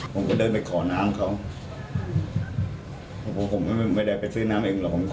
ผมก็เดินไปขอน้ำเขาผมก็ไม่ได้ไปซื้อน้ำเองหรอก